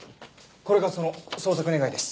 これがその捜索願です。